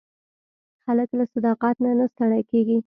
هلک له صداقت نه نه ستړی کېږي.